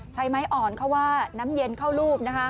ใช้ไม้อ่อนเข้าว่าน้ำเย็นเข้ารูปนะคะ